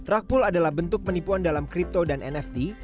rakpul adalah bentuk penipuan dalam crypto dan nft